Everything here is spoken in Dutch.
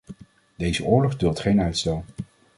Deze oorlog duldt geen uitstel.